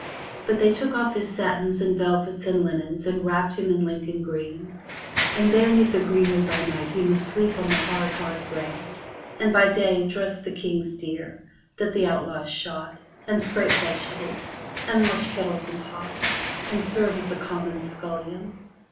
But they took off his satins and velvets and linens and wrapped him in Lincoln green, and there 'neath the greenwood by night 69 MY BOOK HOUSE he must sleep on the hard, hard ground, and by day dress the King's deer, that the outlaws shot, and scrape vegetables, and wash kettles and pots, and serve as a common scullion.